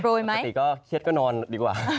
ปล่อยไหมปล่อยไหมปกติเครียดก็นอนดีกว่า